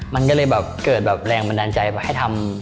มันก็เลยเกิดแรงบันดาลใจให้ทำ